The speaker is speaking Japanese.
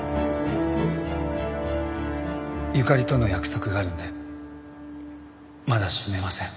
ゆかりとの約束があるのでまだ死ねません。